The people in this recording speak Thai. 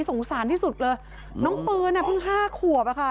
สงสารที่สุดเลยน้องปืนอ่ะเพิ่งห้าขวบอะค่ะ